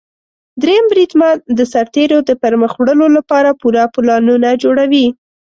دریم بریدمن د سرتیرو د پرمخ وړلو لپاره پوره پلانونه جوړوي.